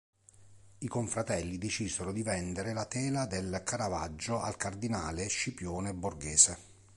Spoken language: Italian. I confratelli decisero di vendere la tela del Caravaggio al Cardinale Scipione Borghese.